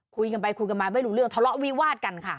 คุยกันไปคุยกันมาไม่รู้เรื่องทะเลาะวิวาดกันค่ะ